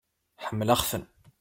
Ḥemmleɣ-ten.